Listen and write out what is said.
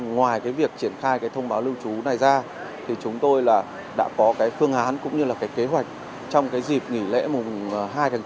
ngoài việc triển khai thông báo lưu trú này ra chúng tôi đã có phương án cũng như kế hoạch trong dịp nghỉ lễ hai tháng chín